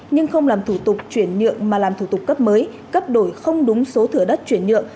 nhưng không làm thủ tục chuyển nhượng mà làm thủ tục cấp mới cấp đổi không đúng số thửa đất chuyển nhượng